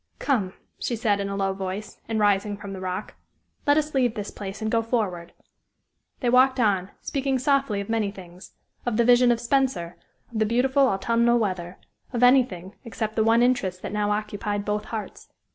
"Come," she said, in a low voice, and rising from the rock; "let us leave this place and go forward." They walked on, speaking softly of many things of the vision of Spenser, of the beautiful autumnal weather, of anything except the one interest that now occupied both hearts.